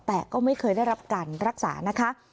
แต่ก็ไม่เคยได้รับการรักษานะคะ